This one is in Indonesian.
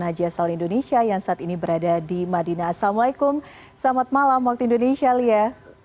haji asal indonesia yang saat ini berada di madinah assalamualaikum selamat malam waktu indonesia lia